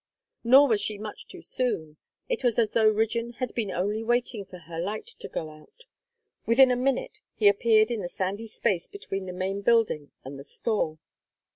Nor was she much too soon. It was as though Rigden had been only waiting for her light to go out. Within a minute he appeared in the sandy space between the main building and the store.